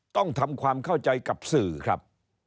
ต้องทำความเข้าใจกับสื่อครับ